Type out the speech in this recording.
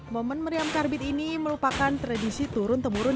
momen meriam karbit ini merupakan tradisi turun temurun